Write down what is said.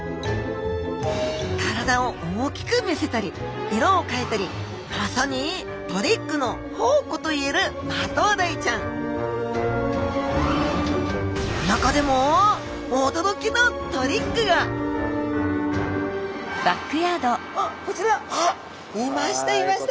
体を大きく見せたり色を変えたりまさにトリックの宝庫といえるマトウダイちゃん中でも驚きのトリックがあこちらあっいましたいました。